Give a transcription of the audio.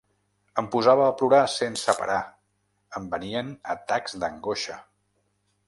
Em posava a plorar sense parar, em venien atacs d’angoixa.